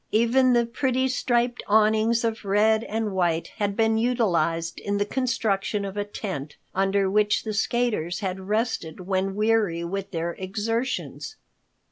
Even the pretty striped awnings of red and white had been utilized in the construction of a tent, under which the skaters had rested when weary with their exertions.